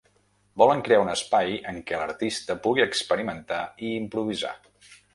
Volen crear un espai en què l’artista pugui experimentar i improvisar.